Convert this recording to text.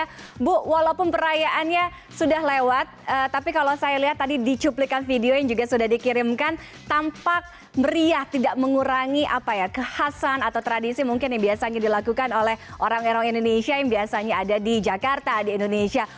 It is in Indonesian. ibu walaupun perayaannya sudah lewat tapi kalau saya lihat tadi di cuplikan video yang juga sudah dikirimkan tampak meriah tidak mengurangi apa ya kekhasan atau tradisi mungkin yang biasanya dilakukan oleh orang orang indonesia yang biasanya ada di jakarta di indonesia